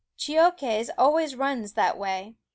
Cheokhes always runs that way.